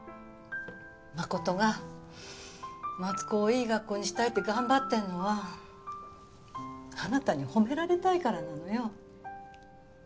麻琴が松高をいい学校にしたいって頑張ってるのはあなたに褒められたいからなのよ。